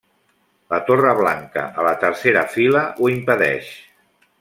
La torre blanca a la tercera fila ho impedeix.